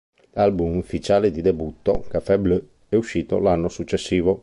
L'album ufficiale di debutto, Café Bleu, è uscito l'anno successivo.